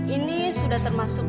ini sudah termasuk